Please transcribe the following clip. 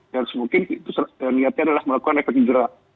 dan mungkin itu niatnya adalah melakukan efek jerak